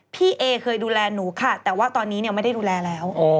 พี่เอเคยดูแลหนูค่ะแต่ว่าตอนนี้ไม่ได้ดูแลแล้ว